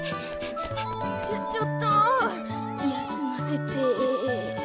ちょちょっと休ませて。